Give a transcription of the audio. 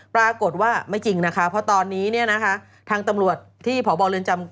ปรากฏว่าไม่จริงนะคะเพราะตอนนี้เนี่ยนะคะทางตำรวจที่พบเรือนจำ